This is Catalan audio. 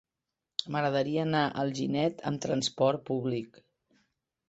M'agradaria anar a Alginet amb transport públic.